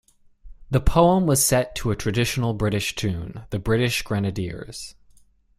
The poem was set to a traditional British tune, The British Grenadiers.